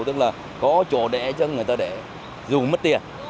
tức là có chỗ để cho người ta để dù mất tiền